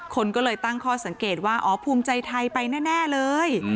คนก็เลยตั้งข้อสังเกตว่าอ๋อภูมิใจไทยไปแน่เลย